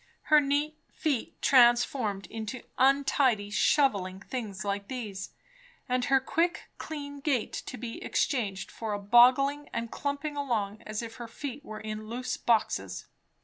Her neat feet transformed into untidy, shovelling things like these! and her quick, clean gait to be exchanged for a boggling and clumping along as if her feet were in loose boxes.